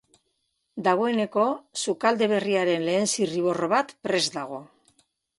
Dagoeneko sukalde berriaren lehen zirriborro bat prest dago.